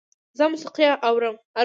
زه موسیقي اورم